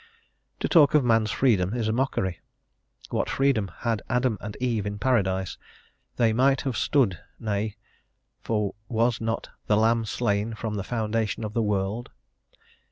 To talk of man's freedom is a mockery. What freedom had Adam and Eve in Paradise? "They might have stood:" nay; for was not "the Lamb slain from the foundation of the world?"